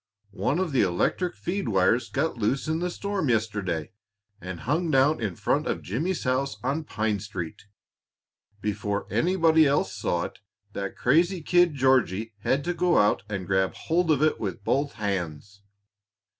One of the electric feed wires got loose in the storm yesterday, and hung down in front of Jimmy's house on Pine Street. Before anybody else saw it, that crazy kid Georgie had to go out and grab hold of it with both hands."